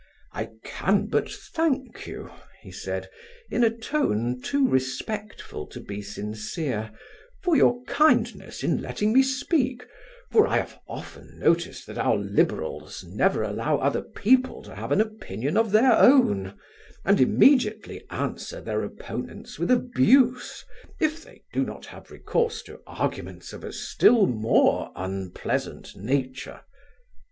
"I can but thank you," he said, in a tone too respectful to be sincere, "for your kindness in letting me speak, for I have often noticed that our Liberals never allow other people to have an opinion of their own, and immediately answer their opponents with abuse, if they do not have recourse to arguments of a still more unpleasant nature."